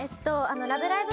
『ラブライブ！